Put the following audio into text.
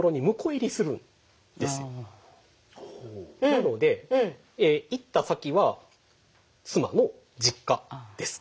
なので行った先は妻の実家です。